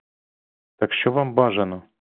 Так що вам бажано?